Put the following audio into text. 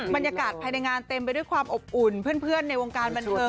บรรยากาศภายในงานเต็มไปด้วยความอบอุ่นเพื่อนในวงการบันเทิง